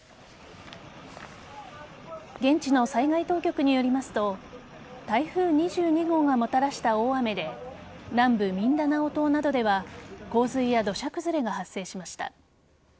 現地の災害当局によりますと台風２２号がもたらした大雨で南部ミンダナオ島などでは洪水や土砂崩れが発生しました。